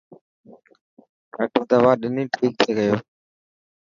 ڊاڪٽر دوا ڏني ٺيڪ ٿي گيو.